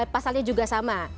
pasalnya juga sama